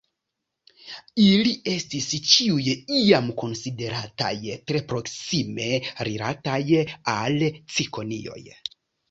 Ili estis ĉiuj iam konsiderataj tre proksime rilataj al cikonioj.